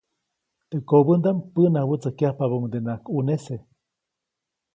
Teʼ kobändaʼm päʼnawätsäjkyajpabäʼuŋdenaʼak ʼunese.